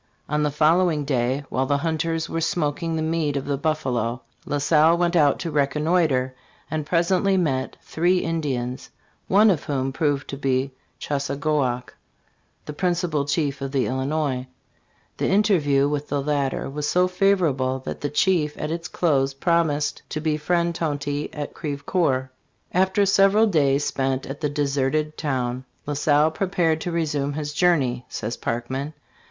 "* On the follow ing day, while the hunters were smoking the meat of the buffalo, La Salle went out to reconnoiter, .and presently met three Indians, one of whom proved to be Chassagoac, the principal chief of the Illinois. The interview (with the latter) was so favorable that the chief at its close promised to be friend Tonty at Crevecoeur "After several days spent at the deserted town, La Salle prepared to resume his journey," says Parkman.